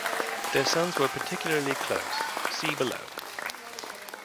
Their sons were particularly close (see below).